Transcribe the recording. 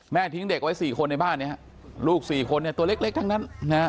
แม่ทิ้งเด็กไว้๔คนในบ้านลูก๔คนตัวเล็กทั้งนั้น